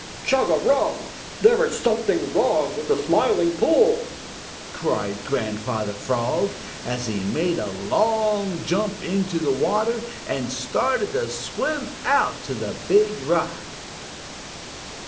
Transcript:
"Chugarum! There is something wrong with the Smiling Pool!" cried Grandfather Frog, as he made a long jump into the water and started to swim out to the Big Rock.